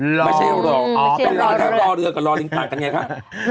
ไม่ใช่รองรองนายกกับรองลิงก์ต่างกันไงครับ